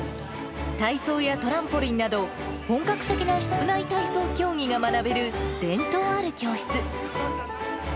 体操やトランポリンなど、本格的な室内体操競技が学べる伝統ある教室。